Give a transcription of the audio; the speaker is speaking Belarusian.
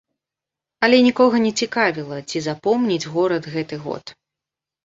Але нікога не цікавіла, ці запомніць горад гэты год.